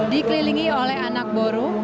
dikelilingi oleh anak boru